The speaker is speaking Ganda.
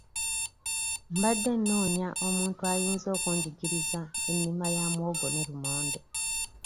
Mbadde noonya omuntu ayinza okunjigiriza ennima ya muwogo ne lumonde.